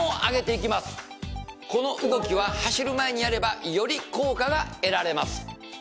この動きは走る前にやればより効果が得られます。